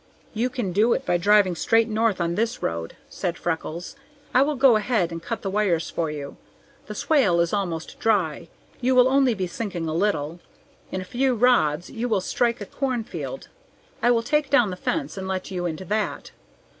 "You can do it by driving straight north on this road," said Freckles. "I will go ahead and cut the wires for you. The swale is almost dry. You will only be sinking a little. In a few rods you will strike a cornfield. I will take down the fence and let you into that.